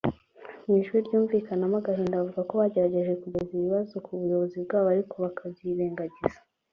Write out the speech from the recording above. Mu ijwi ryumvikanamo agahinda bavuga ko bagerageje kugeza ibi bibazo ku buyobozi bwabo ariko bakabyirengagiza